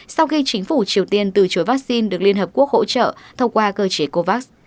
sau khi chính phủ triều tiên từ chối vaccine được liên hợp quốc hỗ trợ thông qua cơ chế covax